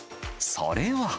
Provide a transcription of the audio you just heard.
それは。